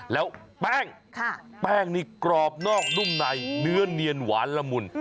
แล้วแป้งแป้งนี่กรอบนอกนุ่มในเนื้อเนียนหวานละมุน